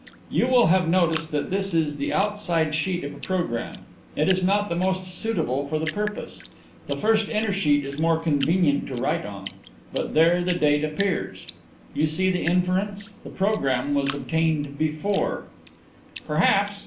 "You will have noticed that this is the outside sheet of a programme. It is not the most suitable for the purpose; the first inner sheet is more convenient to write on, but there the date appears. You see the inference? The programme was obtained before " "Perhaps.